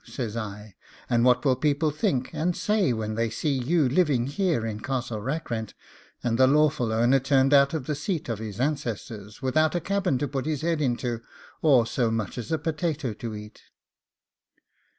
says I; 'and what will people think and say when they see you living here in Castle Rackrent, and the lawful owner turned out of the seat of his ancestors, without a cabin to put his head into, or so much as a potato to eat?